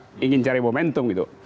ini ada yang ingin cari momentum gitu